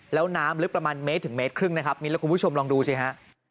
แล้วน้ำลึกประมาณเมตรถึงเมตรครึ่งนะครับมิ้นและคุณผู้ชมลองดูสิฮะ